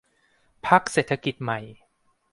พรรคเศรษฐกิจใหม่